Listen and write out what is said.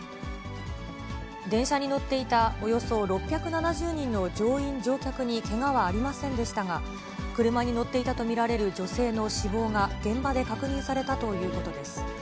電車に乗っていたおよそ６７０人の乗員・乗客にけがはありませんでしたが、車に乗っていたと見られる女性の死亡が現場で確認されたということです。